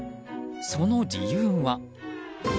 その理由は。